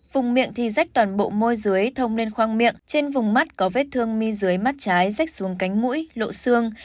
vùng miệng thì rách toàn bộ môi dưới thông lên khoang miệng trên vùng mắt có vết thương mi dưới mắt trái rách xuống cánh mũi lộ xương